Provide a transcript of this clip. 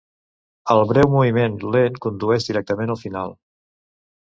El breu moviment lent condueix directament al final.